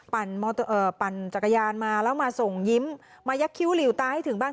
ปั่นจักรยานมาแล้วมาส่งยิ้มมายักษิ้วหลิวตาให้ถึงบ้าน